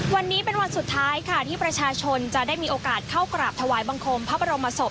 วันนี้เป็นวันสุดท้ายค่ะที่ประชาชนจะได้มีโอกาสเข้ากราบถวายบังคมพระบรมศพ